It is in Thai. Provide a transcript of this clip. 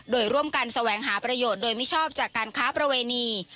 โดยร่วมกันแสวงหาประโยชน์โดยมิชอบจากการค้าประเวณี